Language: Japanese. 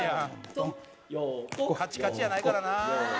「カチカチやないからな」